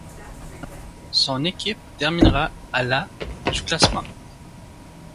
Son équipe terminera à la du classement.